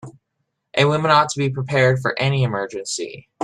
A woman ought to be prepared for any emergency.